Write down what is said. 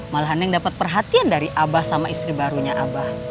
malah neng dapat perhatian dari abah sama istri barunya abah